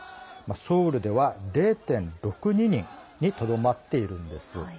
ソウルでは、０．６２人にとどまっているんです。